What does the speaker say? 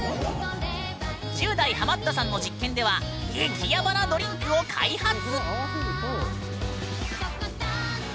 １０代ハマったさんの実験では激ヤバなドリンクを開発！